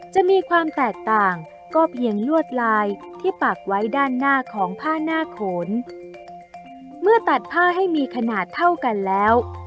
จะมีความแตกต่างก็เพียงลวดลายที่ปากไว้ด้านหน้าของผ้าหน้าโขนเมื่อตัดผ้าให้มีขนาดเท่ากันแล้ว